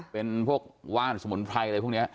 เป็นพวกว่านสมุนไพรอะไรพวกนี้